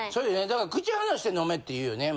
だから口離して飲めっていうよね